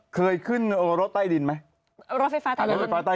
เคยขึ้นรถไฟฟ้าใต้ดินไหมเคยมา